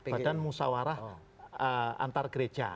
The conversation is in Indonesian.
badan musawarah antar gereja